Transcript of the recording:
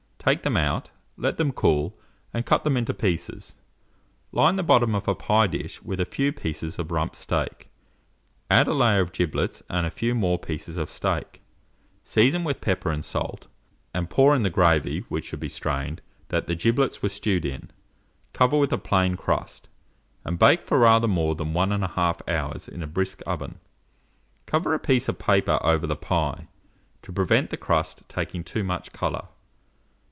Take them out, let them cool, and cut them into pieces; line the bottom of a pie dish with a few pieces of rump steak; add a layer of giblets and a few more pieces of steak; season with pepper and salt, and pour in the gravy (which should be strained), that the giblets were stewed in; cover with a plain crust, and bake for rather more than 1 1/2 hour in a brisk oven. Cover a piece of paper over the pie, to prevent the crust taking too much colour.